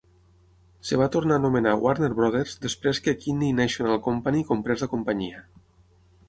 Es va tornar a anomenar Warner Brothers després que Kinney National Company comprés la companyia.